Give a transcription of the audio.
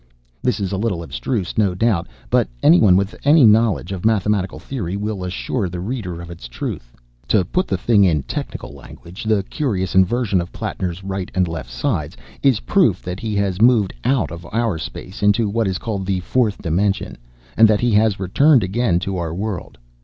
This is a little abstruse, no doubt, but anyone with any knowledge of mathematical theory will assure the reader of its truth. To put the thing in technical language, the curious inversion of Plattner's right and left sides is proof that he has moved out of our space into what is called the Fourth Dimension, and that he has returned again to our world.